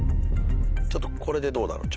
ちょっとこれでどうだろう？